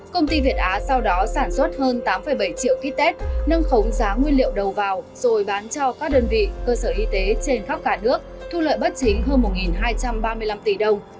công ty việt á sau đó sản xuất hơn tám bảy triệu kit test nâng khống giá nguyên liệu đầu vào rồi bán cho các đơn vị cơ sở y tế trên khắp cả nước thu lợi bất chính hơn một hai trăm ba mươi năm tỷ đồng